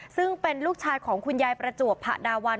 ซึ่งเป็นลูกชายของคุณยายประจวบผะดาวัน